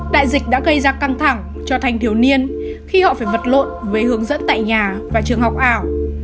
đại dịch đã gây ra căng thẳng cho thanh thiếu niên khi họ phải vật lộn với hướng dẫn tại nhà và trường học ảo